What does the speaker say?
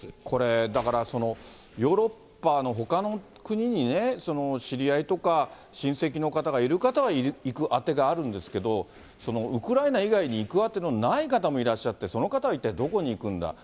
これ、だから、ヨーロッパのほかの国にね、知り合いとか、親戚の方がいる方は行くあてがあるんですけど、ウクライナ以外に行く当てのない方もいらっしゃって、その方は一体どこに行くんだ。